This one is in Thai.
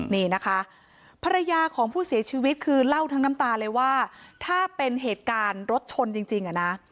นี่นะคะภรรยาของผู้เสียชีวิตคือเล่าทั้งน้ำตาเลยว่าถ้าเป็นเหตุการณ์รถชนจริงอ่ะนะ